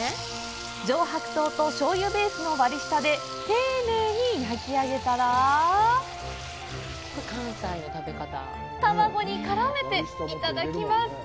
上白糖と醤油ベースの割下で丁寧に焼き上げたら卵に絡めていただきます！